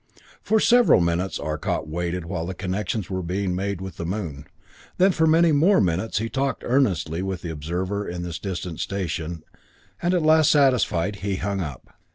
For several minutes Arcot waited while connections were being made with the Moon; then for many more minutes he talked earnestly with the observer in this distant station, and at last satisfied, he hung up.